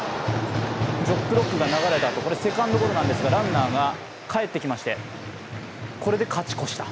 「ジョックロック」が流れたあと、セカンドゴロなんですが、ランナーが帰ってきまして、これで勝ち越した。